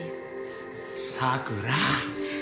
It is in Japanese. さくら。